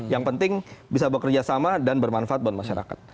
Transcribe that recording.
yang penting bisa bekerja sama dan bermanfaat buat masyarakat